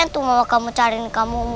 untuk mau cari kamu